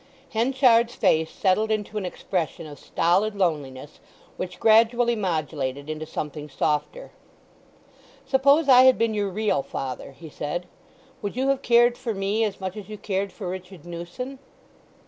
Henchard's face settled into an expression of stolid loneliness which gradually modulated into something softer. "Suppose I had been your real father?" he said. "Would you have cared for me as much as you cared for Richard Newson?"